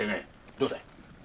どうだい？